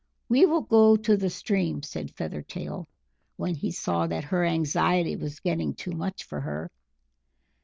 "We will go to the stream," said Feathertail, when he saw that her anxiety was getting too much for her.